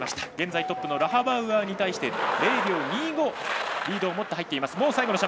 現在トップのラハバウアーに対し０秒２５、リードを持って入っています。